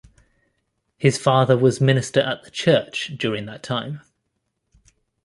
His father was minister at the church during that time.